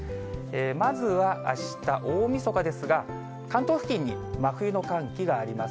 まずは、あした大みそかですが、関東付近に真冬の寒気があります。